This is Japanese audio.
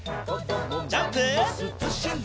ジャンプ！